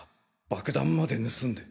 爆弾まで盗んで。